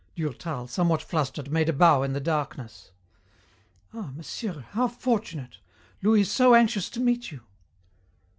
Durtal, somewhat flustered, made a bow in the darkness. "Ah, monsieur, how fortunate. Louis is so anxious to meet you."